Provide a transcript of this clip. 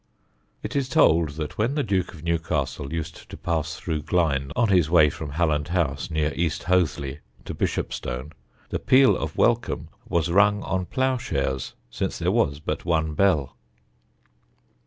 It is told that when the Duke of Newcastle used to pass through Glynde, on his way from Halland House, near East Hoathly, to Bishopstone, the peal of welcome was rung on ploughshares, since there was but one bell.